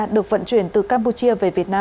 được vận chuyển từ campuchia về việt nam